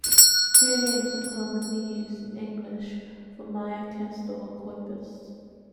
Two names are commonly used in English for "Myocastor coypus".